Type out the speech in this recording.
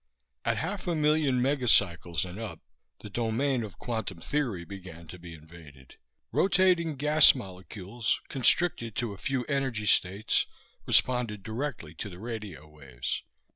At half a million megacycles and up, the domain of quantum theory began to be invaded. Rotating gas molecules, constricted to a few energy states, responded directly to the radio waves.